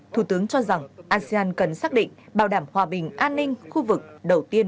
thủ tướng cho rằng asean cần xác định bảo đảm hòa bình an ninh khu vực đầu tiên